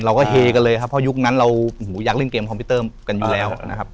เฮกันเลยครับเพราะยุคนั้นเราอยากเล่นเกมคอมพิวเตอร์กันอยู่แล้วนะครับ